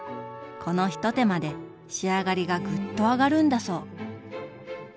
この一手間で仕上がりがグッと上がるんだそう。